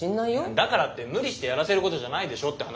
だからって無理してやらせることじゃないでしょって話。